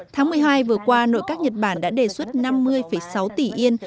tháng một mươi hai vừa qua nội các nhật bản đã đề xuất năm mươi sáu tỷ yên